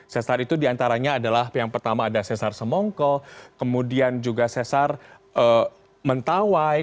sesar itu diantaranya adalah yang pertama ada sesar semongko kemudian juga sesar mentawai